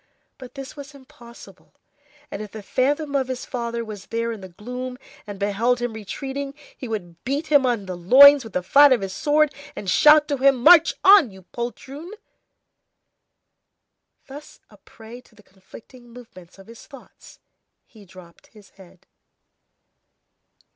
But this was impossible, and if the phantom of his father was there in the gloom, and beheld him retreating, he would beat him on the loins with the flat of his sword, and shout to him: "March on, you poltroon!" Thus a prey to the conflicting movements of his thoughts, he dropped his head.